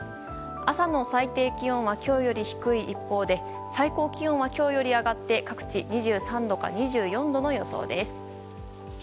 朝の最低気温は今日より低い一方最高気温は今日より上がって各地２３度か２４度の予想です。